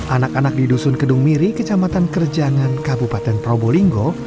anak anak di dusun kedung miri kecamatan kerjangan kabupaten probolinggo